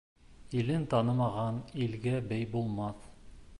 Илен танымаған илгә бей булмаҫ.